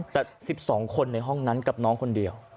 แต่๑๒คนในห้องนั้นกับน้องคนเดียว